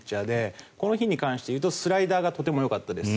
この日に関してはスライダーがとてもよかったです。